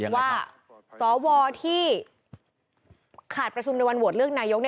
ว่าสวที่ขาดประชุมในวันโหวตเลือกนายก